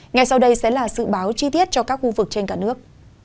ngày sau đây sẽ là sự báo chi tiết cho các khu vực trên cả nước